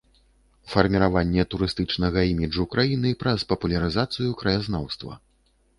Фарміраванне турыстычнага іміджу краіны праз папулярызацыю краязнаўства.